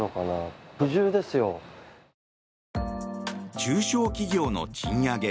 中小企業の賃上げ。